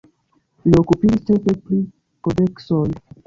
Li okupiĝis ĉefe pri kodeksoj.